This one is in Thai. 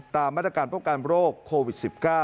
ตามมาตรการป้องกันโรคโควิด๑๙